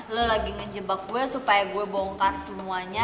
lo lagi ngejebak gue supaya gue bongkar semuanya